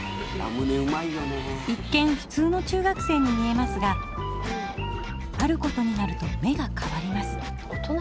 一見ふつうの中学生に見えますがあることになると目が変わります。